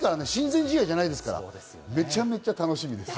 親善試合じゃないですから、めちゃめちゃ楽しみです。